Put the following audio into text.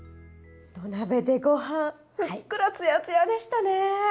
土鍋でご飯ふっくらつやつやでしたね。ね。